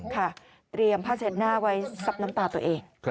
เตรียมผ้าเช็ดหน้าไว้ซับน้ำตาตัวเอง